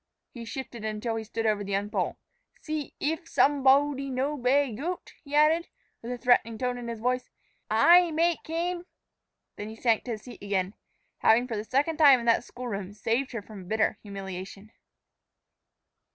He shifted till he stood over the young Pole. "So eef somebodey no bay gote," he added, with a threatening note in his voice, "ay make hame." Then he sank to his seat again, having for the second time in that school room saved her from bitter humiliation.